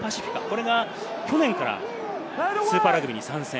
これが去年からスーパーラグビーに参戦。